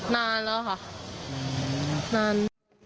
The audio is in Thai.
นานแล้วค่ะนาน